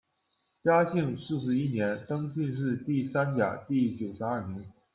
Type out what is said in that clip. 嘉靖四十一年，登进士第三甲第九十二名。